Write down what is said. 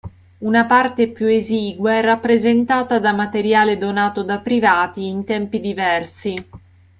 Una parte più esigua è rappresentata da materiale donato da privati in tempi diversi.